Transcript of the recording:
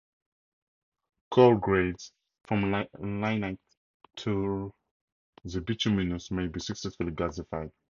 Coal grades from lignite through to bituminous may be successfully gasified.